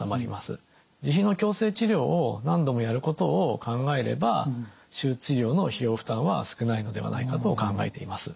自費の矯正治療を何度もやることを考えれば手術治療の費用負担は少ないのではないかと考えています。